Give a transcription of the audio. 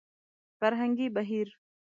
فرهنګي بهير